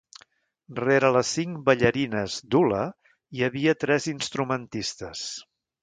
Rere les cinc ballarines d'hula hi havia tres instrumentistes.